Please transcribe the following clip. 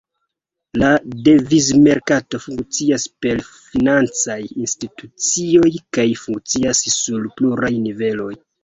La devizmerkato funkcias per financaj institucioj kaj funkcias sur pluraj niveloj.